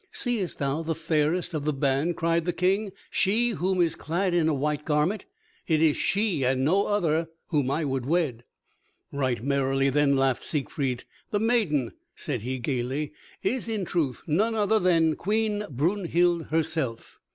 "Seest thou the fairest of the band," cried the King, "she who is clad in a white garment? It is she and no other whom I would wed." Right merrily then laughed Siegfried. "The maiden," said he gaily, "is in truth none other than Queen Brunhild herself."